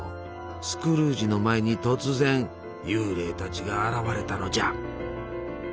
スクルージの前に突然幽霊たちが現れたのじゃ。